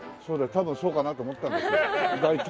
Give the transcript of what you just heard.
多分そうかなと思ったんですけど大体。